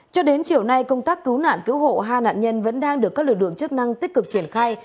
cho đến chiều nay công tác cứu nạn cứu hộ hai nạn nhân vẫn đang được các lực lượng chức năng tích cực triển khai